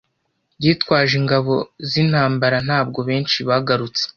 Yitwaje ingabo zintambara ntabwo benshi bagarutse